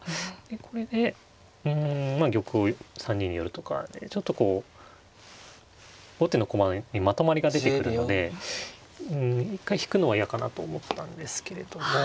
これでうんまあ玉を３二に寄るとかでちょっとこう後手の駒にまとまりが出てくるのでうん一回引くのは嫌かなと思ったんですけれども。